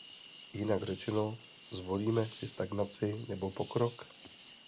Jinak řečeno, zvolíme si stagnaci nebo pokrok?